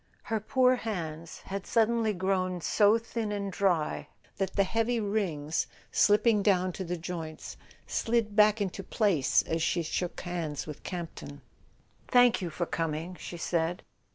Her poor hands had suddenly grown so thin and dry that the heavy rings, slipping down to the joints, slid back into place as she shook hands with Campton. "Thank you for coming," she said.